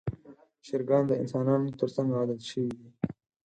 چرګان د انسانانو تر څنګ عادت شوي دي.